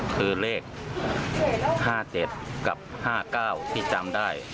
คือเลข๕๗กับ๕๙ที่จำได้